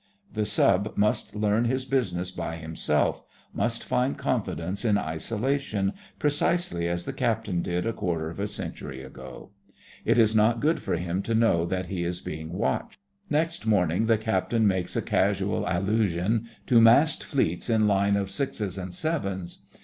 The Sub must learn his business by himself—must find confidence in isolation precisely as the Captain did a quarter of a century ago. It is not good for him to know that he is being watched. Next morning the Captain makes a casual allusion to 'massed fleets in line of sixes and sevens.